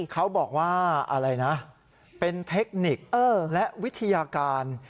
เขาบอกว่าอะไรนะเป็นเทคนิคและวิทยาการ